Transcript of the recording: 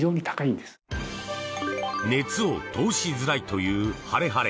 熱を通しづらいというハレハレ